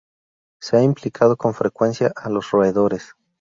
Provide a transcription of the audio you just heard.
Se ha implicado con frecuencia a los roedores.